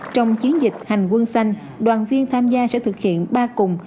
trong chiến dịch hành quân xanh đoàn viên tham gia sẽ thực hiện ba cùng